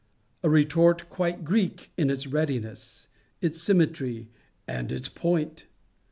A retort quite Greek in its readiness, its symmetry, and its point!